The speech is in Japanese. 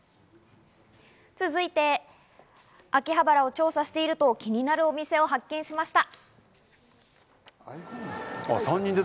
続いて秋葉原を調査していると、気になるお店を発見しました。